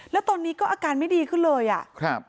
แล้วตอนนี้ก็อาการไม่ดีขึ้นเลยอ่ะครับ